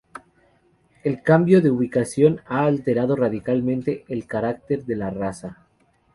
El cambio de ubicación ha alterado radicalmente el carácter de la raza.